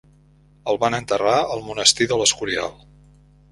El van enterrar al Monestir de l'Escorial.